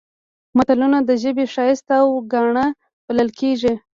متلونه د ژبې ښایست او ګاڼه بلل کیږي